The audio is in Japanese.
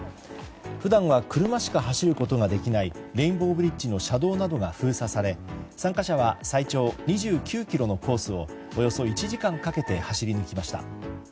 普段は車しか走ることができないレインボーブリッジの車道などが封鎖され、参加者は最長２９ｋｍのコースをおよそ１時間かけて走り抜きました。